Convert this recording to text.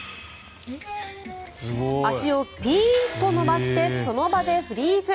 足をピーンと伸ばしてその場でフリーズ。